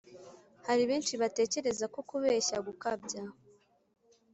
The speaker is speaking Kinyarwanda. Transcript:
hari benshi batekereza ko kubeshya gukabya